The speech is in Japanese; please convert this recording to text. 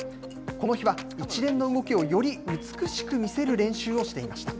この日は一連の動きをより美しく見せる練習をしていました。